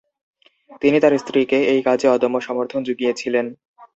তিনি তাঁর স্ত্রীকে এই কাজে অদম্য সমর্থন জুগিয়েছিলেন।